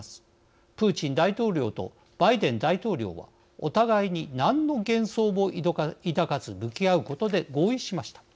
プーチン大統領とバイデン大統領はお互いに何の幻想も抱かず向き合うことで合意しました。